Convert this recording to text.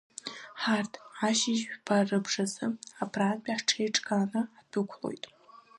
Ҳарҭ ашьыжь жәба рыбжазы абрантәи ҳҽеиҿкааны ҳдәықәлоит.